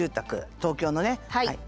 東京のね。